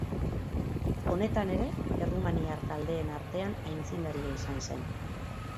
Honetan ere errumaniar taldeen artean aitzindaria izan zen.